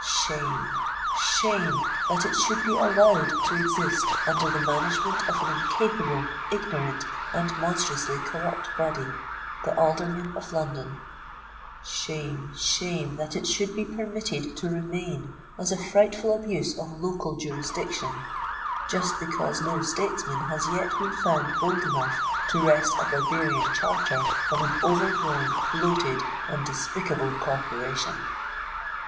Shame—shame, that it should be allowed to exist under the management of an incapable, ignorant, and monstrously corrupt body—the Aldermen of London:—shame, shame that it should be permitted to remain as a frightful abuse of local jurisdiction, just because no statesman has yet been found bold enough to wrest a barbarian charter from an overgrown, bloated, and despicable corporation!